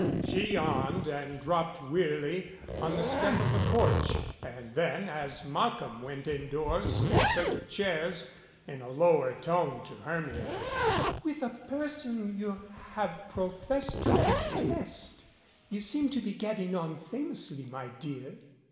She yawned and dropped wearily on the step of the porch. And then, as Markham went indoors in search of chairs, in a lower tone 50 THE RESCUE to Hermia, "With a person you have professed to detest you seem to be getting on famously, my dear."